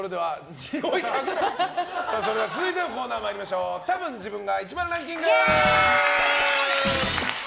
それでは続いてのコーナーたぶん自分が１番ランキング！